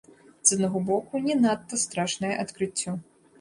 З аднаго боку не надта страшнае адкрыццё.